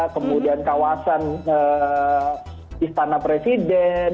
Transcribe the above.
kemudian kawasan istana presiden